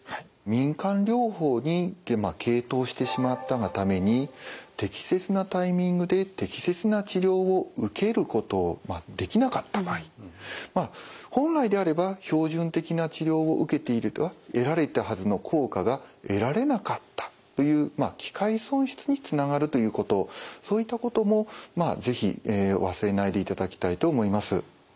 民間療法に傾倒してしまったがために適切なタイミングで適切な治療を受けることができなかった場合本来であれば標準的な治療を受けていれば得られたはずの効果が得られなかったという機会損失につながるということそういったことも是非忘れないでいただきたいと思います。